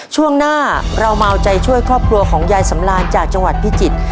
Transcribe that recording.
ช่วงหน้าเรามาเอาใจช่วยครอบครัวของยายสำราญจากจังหวัดพิจิตร